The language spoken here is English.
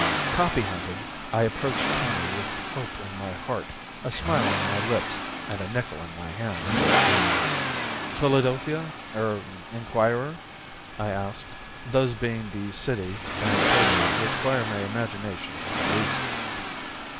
Copy hunting, I approached Tony with hope in my heart, a smile on my lips, and a nickel in my hand. "Philadelphia er Inquirer?" I asked, those being the city and paper which fire my imagination least.